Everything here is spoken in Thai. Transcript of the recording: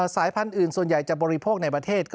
สายพันธุ์อื่นส่วนใหญ่จะบริโภคในประเทศ